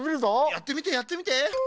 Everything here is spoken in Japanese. やってみてやってみて。